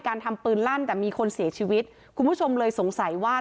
ทำปืนลั่นแต่มีคนเสียชีวิตคุณผู้ชมเลยสงสัยว่า